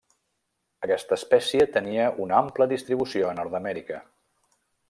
Aquesta espècie tenia una ampla distribució a Nord-amèrica.